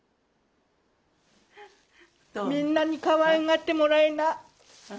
みんなにかわいがってもらいな。